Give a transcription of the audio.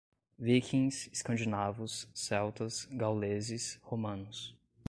Vikings, escandinavos, celtas, gauleses, romanos